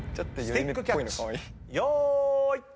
スティックキャッチよーい。